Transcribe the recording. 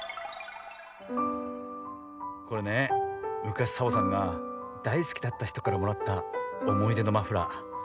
これねむかしサボさんがだいすきだったひとからもらったおもいでのマフラー。